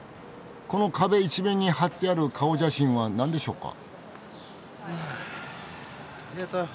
この壁一面に貼ってある顔写真は何でしょうか？